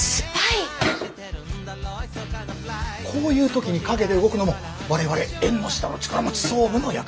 こういう時に陰で動くのも我々縁の下の力持ち総務の役目だ。